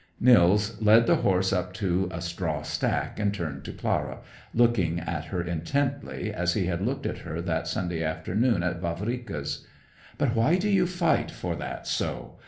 Nils led the horse up to a straw stack, and turned to Clara, looking at her intently, as he had looked at her that Sunday afternoon at Vavrika's. "But why do you fight for that so?